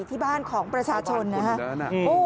ที่บ้านของประชาชนนะครับ